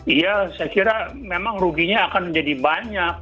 iya saya kira memang ruginya akan menjadi banyak